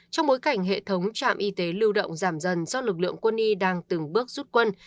trong bối cảnh hệ thống trạm y tế lưu động giảm dần do lực lượng quân y đang từng bước rút quân